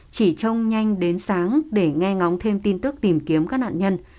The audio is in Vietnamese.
chỉ trông nhanh đến sáng để nghe ngóng thêm tin tức tìm kiếm các nạn nhân